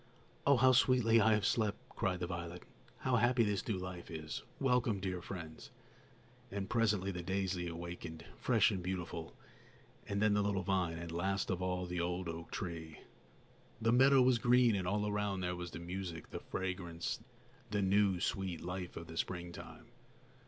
"Oh, how sweetly I have slept!" cried the violet; "how happy this new life is! Welcome, dear friends!" And presently the daisy awakened, fresh and beautiful, and then the little vine, and, last of all, the old oak tree. The meadow was green, and all around there were the music, the fragrance, the new, sweet life of the springtime.